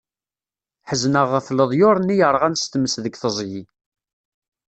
Ḥezneɣ ɣef leḍyur-nni yerɣan s tmes deg teẓgi.